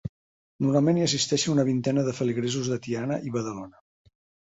Normalment hi assisteixen una vintena de feligresos de Tiana i Badalona.